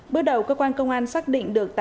bước đầu cơ quan công an xác định được